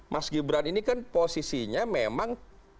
mas gibran ini kan posisinya memang